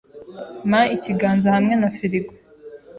Mpa ikiganza hamwe na firigo.